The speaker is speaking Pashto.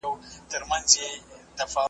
په زړه خواشیني د کابل ښکلي `